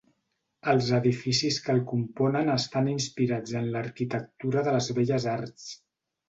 Els edificis que el componen estan inspirats en l'arquitectura de les Belles Arts.